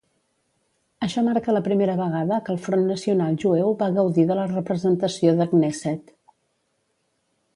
Això marca la primera vegada que el Front Nacional Jueu va gaudir de la representació de Knesset.